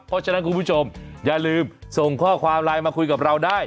เพราะฉะนั้นคุณผู้ชมอย่าลืมส่งข้อความไลน์มาคุยกับเราได้